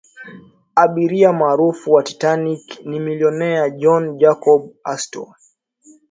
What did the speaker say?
abiria maarufu wa titanic ni milionea john jacob astor